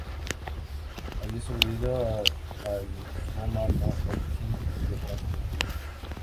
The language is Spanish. Había sobrevivido al linfoma no Hodgkin y al cáncer uterino.